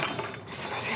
すいません。